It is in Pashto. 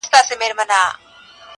پوهنتون ته سوه کامیاب مکتب یې خلاص کئ,